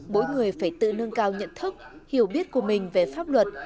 mỗi người phải tự nâng cao nhận thức hiểu biết của mình về pháp luật